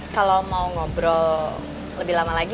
kalau mau ngobrol lebih lama lagi